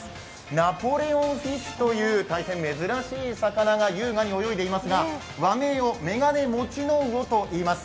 ナポレオンフィッシュという大変珍しい魚が優雅に泳いでいますが和名をメガネモチノウオといいます。